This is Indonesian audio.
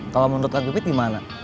kalau menurut kak bipit gimana